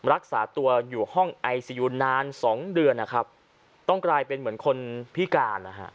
รักษาตัวอยู่ห้องไอซียูนานสองเดือนนะครับต้องกลายเป็นเหมือนคนพิการนะฮะ